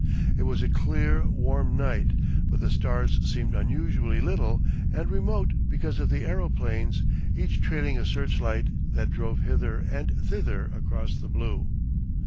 It was a clear, warm night, but the stars seemed unusually little and remote because of the aeroplanes, each trailing a searchlight, that drove hither and thither across the blue.